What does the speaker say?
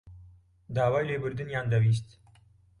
داوای لێبوردنیان دەویست.